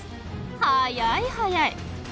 速い速い！